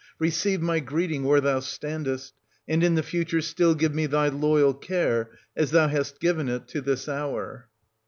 — Receive my greeting where thou standest ; and in the future still give me thy loyal care, as thou hast given it to this hour.